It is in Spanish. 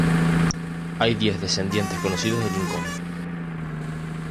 Hay diez descendientes conocidos de Lincoln.